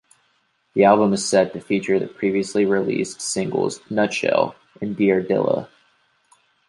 The album is set to feature the previously released singles "Nutshell" and "Dear Dilla".